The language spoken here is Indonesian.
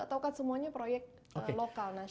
atau kan semuanya proyek lokal